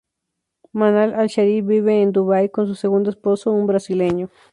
Manal al Sharif vive en Dubái con su segundo esposo, un brasileño.